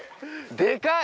でかい！